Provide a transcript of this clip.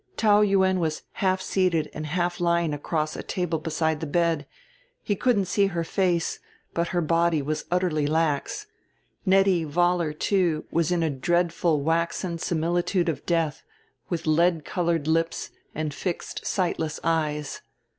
Taou Yuen was half seated and half lying across a table beside the bed; he couldn't see her face, but her body was utterly lax. Nettie Vollar, too, was in a dreadful waxen similitude of death, with lead colored lips and fixed sightless eyes.